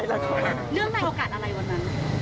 เนื่องในโอกาสอะไรวันนั้น